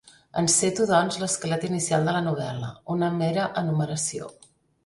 Enceto, doncs, l'esquelet inicial de la novel·la, una mera enumeració.